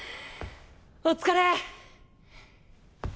お疲れ！